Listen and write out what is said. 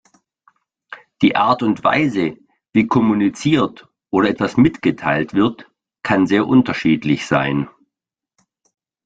Die Art und Weise, wie kommuniziert oder etwas mitgeteilt wird, kann sehr unterschiedlich sein.